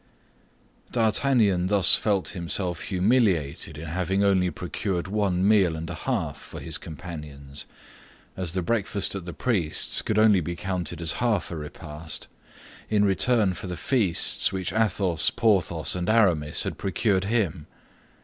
D'Artagnan thus felt himself humiliated in having only procured one meal and a half for his companions—as the breakfast at the priest's could only be counted as half a repast—in return for the feasts which Athos, Porthos, and Aramis had procured him.